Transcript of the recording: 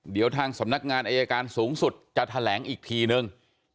เดี๋ยวทางสำนักงานอายการสูงสุดจะแถลงอีกทีนึง